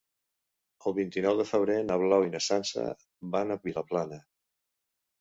El vint-i-nou de febrer na Blau i na Sança van a Vilaplana.